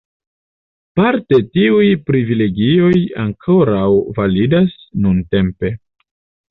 Parte tiuj privilegioj ankoraŭ validas nuntempe.